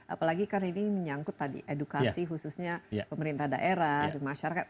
apalagi kan ini menyangkut tadi edukasi khususnya pemerintah daerah masyarakat